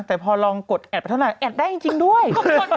แต่พอลองกดแอดไปเท่าไหดได้จริงด้วย